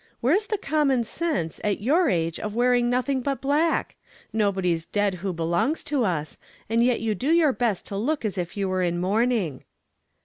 Where's the common sense, at your age, of wearing nothing but black? Nobody's dead who belongs to us, and yet you do your best to look as if you were in mourning."